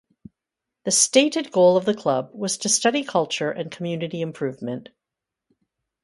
The stated goal of the club was to study culture and community improvement.